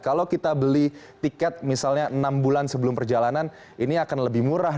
kalau kita beli tiket misalnya enam bulan sebelum perjalanan ini akan lebih murah